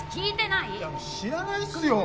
いや知らないっすよ！